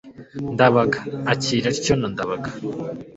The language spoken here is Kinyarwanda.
Ndabaga akira atyo na Ndabaga